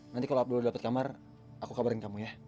nanti kalau abdul dapat kamar aku kabarin kamu ya